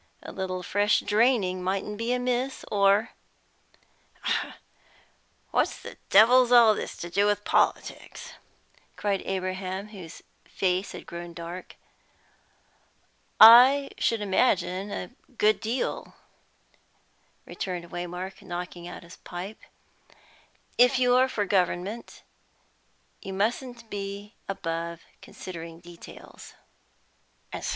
A little fresh draining mightn't be amiss, or " "What the devil's all this to do with politics?" cried Abraham, whose face had grown dark. "I should imagine, a good deal," returned Waymark, knocking out his pipe. "If you're for government, you mustn't be above considering details."